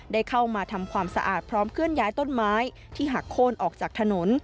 ได้เข้ามาทำความสะอาดพร้อมเคลื่อนย้ายต้นไม้ที่หักโค้นออกจากถนน